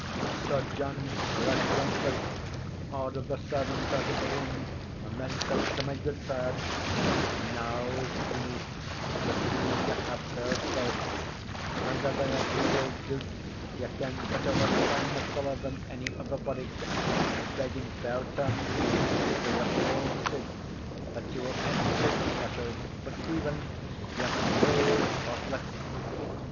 Sir John Redgauntlet ordered the servants out of the room and then said to my gudesire, "Now, Steenie, ye see ye have fair play; and, as I have little doubt ye ken better where to find the siller than ony other body, I beg in fair terms, and for your own sake, that you will end this fasherie; for, Stephen, ye maun pay or flit."